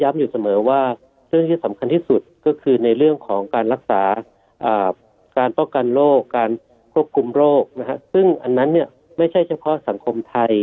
เพื่อการโรคการควบคุมโรคซึ่งอันนั้นไม่ใช่เฉพาะสังคมไทย